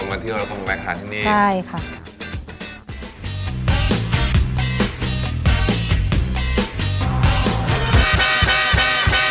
คนกันเที่ยวและคนกันมาอาหารที่นี่ใช่ค่ะ